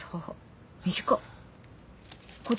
短っ。